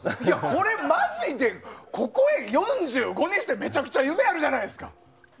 これマジで、４５にしてめちゃくちゃ夢があるじゃないですか。